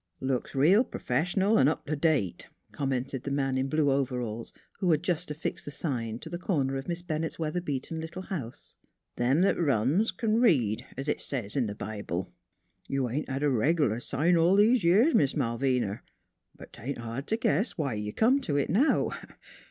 " Looks real p'rfessional V up t' date," com mented the man in blue overalls who had just affixed the sign to the corner of Miss Bennett's weatherbeaten little house. " Them that runs c'n read, es it says in th' Bible. You ain't had a reg' lar sign all these years, Miss Malvina; but 'taint hard t' guess why you come to it now.